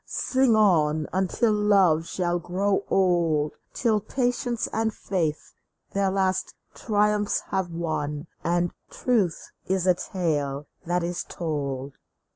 Sing on until love shall grow old ; Till patience and faith their last triumphs have won, And truth is a tale that is told